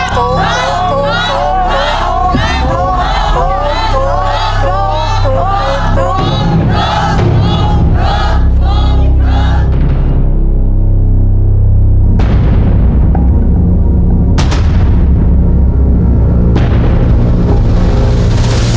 ถูก